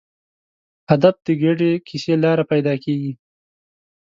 هدف د ګډې کیسې له لارې پیدا کېږي.